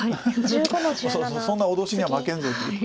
「そんな脅しには負けんぞ」と。